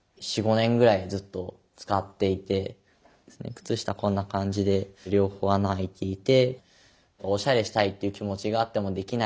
靴下こんな感じで両方穴あいていて。